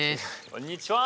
こんにちは。